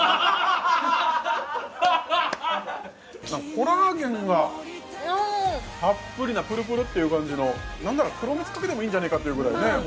コラーゲンがたっぷりなプルプルっていう感じの何なら黒蜜かけてもいいんじゃねえかっていうぐらいねえ